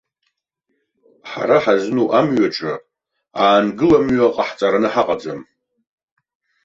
Ҳара ҳазну амҩаҿы аангыламҩа ҟаҳҵараны ҳаҟаӡам.